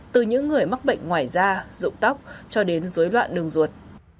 từ những người mắc bệnh ngoài da dụng tóc cho đến dối loạn đường ruột